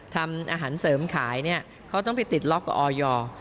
ทำอาหารเสริมขายเนี่ยเขาต้องไปติดล็อกกับออย